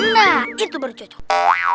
nah itu bercocok